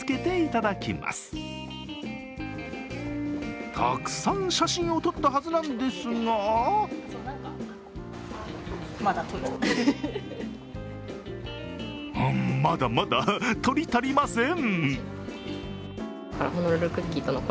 たくさん写真を撮ったはずなんですがまだまだ撮り足りません。